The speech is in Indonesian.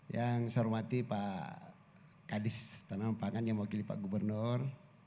yang saya hormati pak kadis tanam pangan yang mewakili pak gubernur